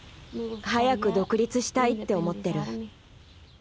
早く独立したいって思ってる。